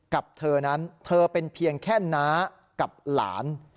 กับเธอนั้นเธอเป็นเพียงแค่น้ากับหลาน